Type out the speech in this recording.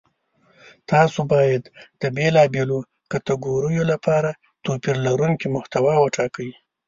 تاسو باید د بېلابېلو کتګوریو لپاره توپیر لرونکې محتوا وټاکئ.